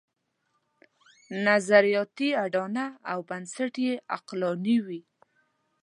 نظریاتي اډانه او بنسټ یې عقلاني وي.